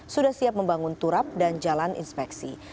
sudah siap membangun turap dan jalan inspeksi